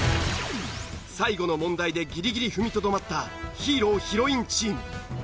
最後の問題でギリギリ踏みとどまったヒーローヒロインチーム。